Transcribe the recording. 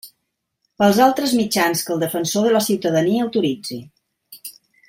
Pels altres mitjans que el Defensor de la Ciutadania autoritzi.